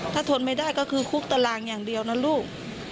ถ้าทนไม่ได้ก็คือคุกตารางอย่างเดียวนะลูก